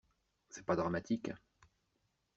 C'est pas dramatique.